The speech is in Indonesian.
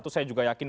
saya juga yakin